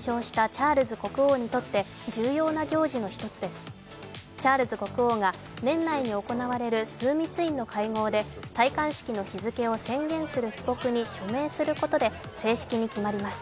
チャールズ国王が年内に行われる枢密院の会合で戴冠式の日付を宣言する布告に署名することで正式に決まります。